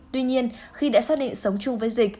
tuy nhiên khi đã xác định sống chung với dịch